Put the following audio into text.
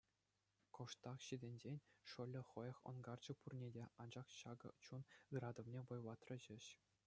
Кӑштах ҫитӗнсен, шӑллӗ хӑех ӑнкарчӗ пурне те, анчах ҫакӑ чун ыратӑвне вӑйлатрӗ ҫеҫ.